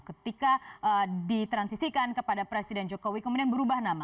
ketika ditransisikan kepada presiden jokowi kemudian berubah nama